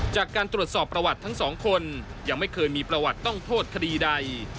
จากการตรวจสอบประวัติทั้งสองคนยังไม่เคยมีประวัติต้องโทษคดีใด